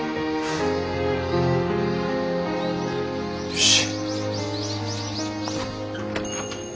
よし。